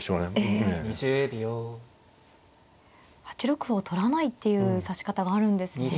８六歩を取らないっていう指し方があるんですね。